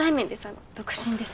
あの独身です。